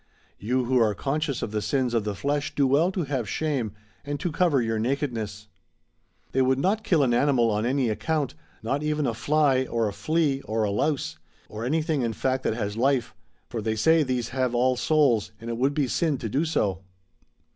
You who are conscious of the sins of the flesh do well to have shame, and to cover your nakedness." They would not kill an animal on any account, not even a fly, or a flea, or a louse,'' or anything in fact that has life ; for they say these have all souls, and it would be sin to do so.